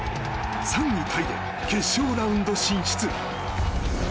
３位タイで決勝ラウンド進出。